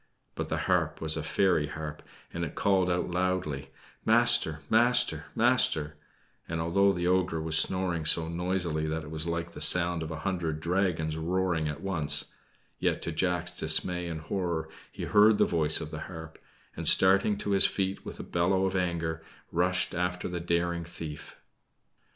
But the harp was a fairy harp, and it called out loudly: "Master, master, master;" and, although the ogre was snoring so noisily that it was like the sound of a hundred dragons roaring at once, yet to Jack's dismay and horror he heard the voice of his harp, and, starting to his feet with a bellow of anger, rushed after the daring thief.